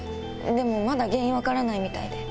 でも原因分からないみたいで。